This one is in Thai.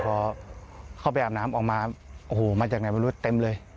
พอเข้าไปอาบน้ำออกมาโอ้โหมาจากไหนไม่รู้เต็มเลย